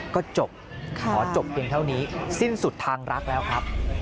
ก็จบขอจบเพียงเท่านี้สิ้นสุดทางรักแล้วครับ